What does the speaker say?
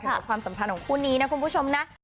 ความสัมพันธ์ของคู่นี้นะคุณผู้ชมนะ